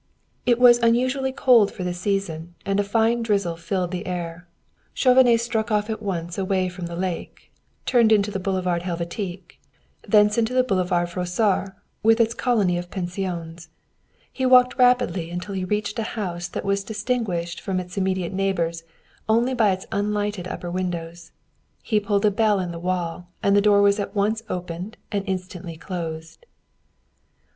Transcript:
It was unusually cold for the season, and a fine drizzle filled the air. Chauvenet struck off at once away from the lake, turned into the Boulevard Helvétique, thence into the Boulevard Froissart with its colony of pensions. He walked rapidly until he reached a house that was distinguished from its immediate neighbors only by its unlighted upper windows. He pulled the bell in the wall, and the door was at once opened and instantly closed.